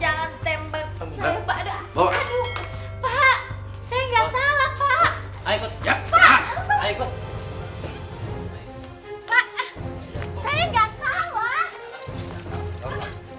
jangan berlari kalian akan ditangkap